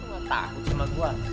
lo tak akut sama gue